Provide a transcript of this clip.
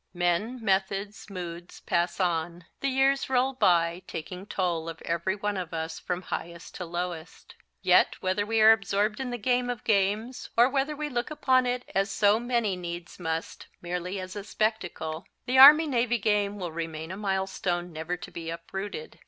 Men, methods, moods pass on. The years roll by, taking toll of every one of us from highest to lowest. Yet, whether we are absorbed in the game of games, or whether we look upon it as so many needs must merely as a spectacle, the Army Navy game will remain a milestone never to be uprooted.